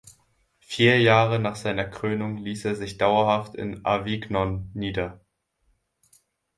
Vier Jahre nach seiner Krönung ließ er sich dauerhaft in Avignon nieder.